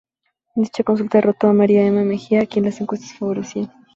En dicha consulta derrotó a María Emma Mejía a quien las encuestas favorecían.